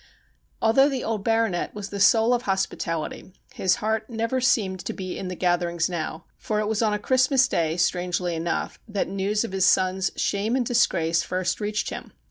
Although the old Baronet was the soul of hospitality, his heart never seemed to be in the gatherings now, for it was on a Christmas day, strangely enough, that news of his son's shame and disgrace first reached him.